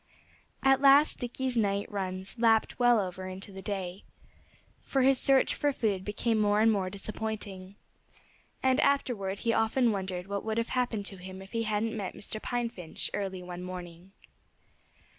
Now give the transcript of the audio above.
At last Dickie's night runs lapped well over into the day. For his search for food became more and more disappointing. And afterward he often wondered what would have happened to him if he hadn't met Mr. Pine Finch early one morning.